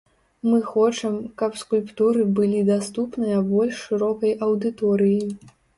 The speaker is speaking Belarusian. Мы хочам, каб скульптуры былі даступныя больш шырокай аўдыторыі.